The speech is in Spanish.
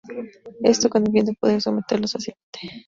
Esto con el fin de poder someterlos fácilmente.